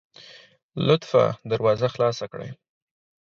لطفا دروازه خلاصه کړئ